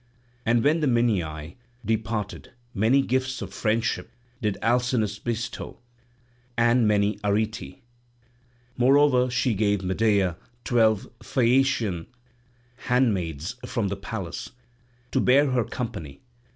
And when the Minyae departed many gifts of friendship did Alcinous bestow, and many Arete; moreover she gave Medea twelve Phaeacian handmaids from the palace, to bear her company.